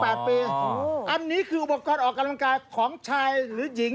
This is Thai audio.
อันนี้คืออุปกรณ์ออกกำลังกายของชายหรือหญิง